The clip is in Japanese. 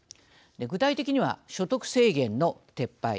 具体的には、所得制限の撤廃。